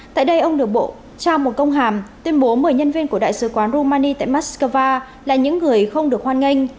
tại đây ông được bộ trao một công hàm tuyên bố một mươi nhân viên của đại sứ quán rumani tại moscow là những người không được hoan nghênh